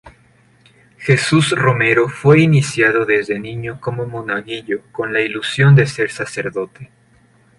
Jesús Romero fue iniciado desde niño como monaguillo con la ilusión de ser sacerdote.